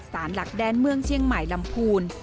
สารหลักแดนเมืองเชียงใหม่ลำพูน